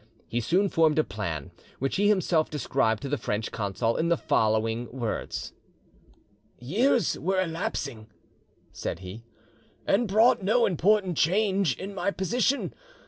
He soon formed a plan, which he himself described to the French Consul in the following words:— "Years were elapsing," said he, "and brought no important change in my position.